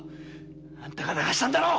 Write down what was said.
あんたが流したんだろう！